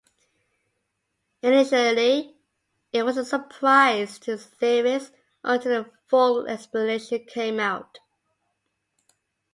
Initially, it was a surprise to theorists, until the full explanation came out.